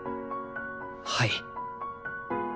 はい。